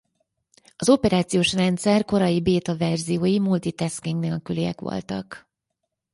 Az operációs rendszer korai béta verziói multi-tasking nélküliek voltak.